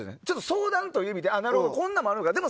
相談という意味でこんなんもあるんかって。